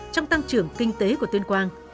trong tăng trưởng kinh tế của tuyên quang